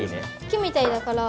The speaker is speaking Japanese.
木みたいだから。